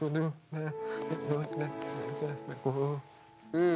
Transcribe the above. うん。